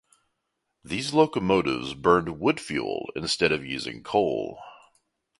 These locomotives burned wood fuel instead of using coal.